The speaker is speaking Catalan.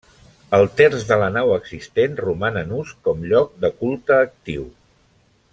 El terç de la nau existent roman en ús com lloc de culte actiu.